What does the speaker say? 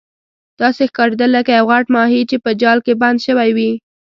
داسې ښکاریدل لکه یو غټ ماهي چې په جال کې بند شوی وي.